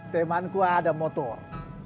temanku ada motor